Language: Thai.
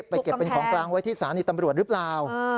เก็บเป็นของกลางไว้ที่สถานีตำรวจหรือเปล่า